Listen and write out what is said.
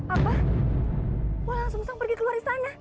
apa walangsungsang pergi ke luar istana